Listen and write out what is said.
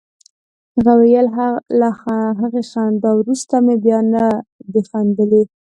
هغه ویل له هغې خندا وروسته مې بیا نه دي خندلي